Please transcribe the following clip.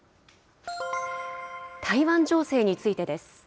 台湾情勢についてです。